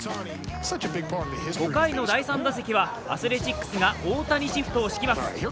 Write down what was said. ５回の第３打席はアスレチックスが大谷シフトを敷きます。